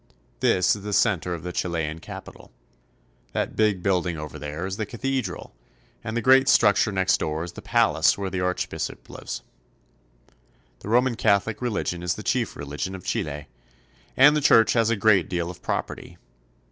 This is the center of the Chilean capital. That big building over there is the cathedral, and the great f ffff ^M^^ " In that building the houses of Congress meet.' Structure next door is the palace where the archbishop lives. The Roman Catholic religion is the chief religion of Chile, and the church has a great deal of property.